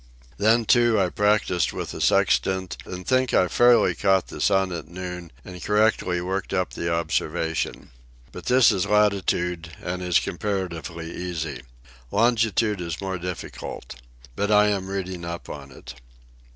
Then, too, I practised with the sextant and think I fairly caught the sun at noon and correctly worked up the observation. But this is latitude, and is comparatively easy. Longitude is more difficult. But I am reading up on it.